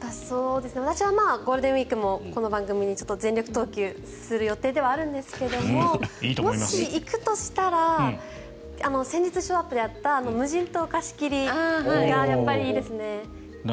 私はゴールデンウィークもこの番組に全力投球する予定ではあるんですけれどももし行くとしたら先日ショーアップでやった無人島貸し切りがやっぱりいいですね。